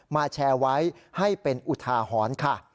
แชร์ไว้ให้เป็นอุทาหรณ์ค่ะ